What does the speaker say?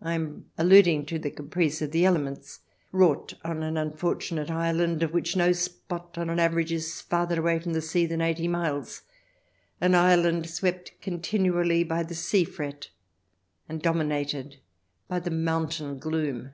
(I am alluding to the caprice of the elements, wrought on an unfortu nate island, of which no spot on an average is farther away from the sea than eighty miles — an island swept continually by the sea fret, and dominated by the mountain gloom.)